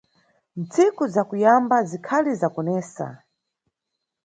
Ntsiku za kuyamba zikhali za kunesa.